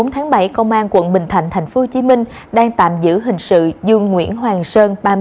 một mươi tháng bảy công an quận bình thạnh tp hcm đang tạm giữ hình sự dương nguyễn hoàng sơn